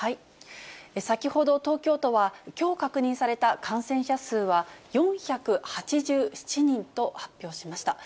先ほど東京都は、きょう確認された感染者数は４８７人と発表しました。